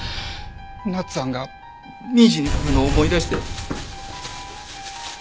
奈津さんが２時に来るのを思い出して。